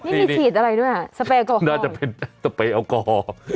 นี่นี่มีฉีดอะไรด้วยอ่ะสเปร์แอลกอฮอล์น่าจะเป็นสเปร์แอลกอฮอล์